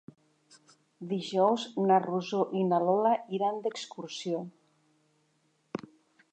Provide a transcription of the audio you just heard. Dijous na Rosó i na Lola iran d'excursió.